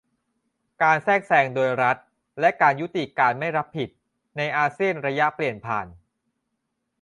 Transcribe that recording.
การแทรกแซงโดยรัฐ และการยุติการไม่รับผิด ในอาเซียนระยะเปลี่ยนผ่าน